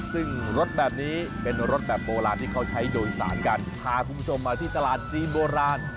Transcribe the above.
ซึ่งรถแบบนี้เป็นรถแบบโบราณที่เขาใช้โดยสารกันพาคุณผู้ชมมาที่ตลาดจีนโบราณ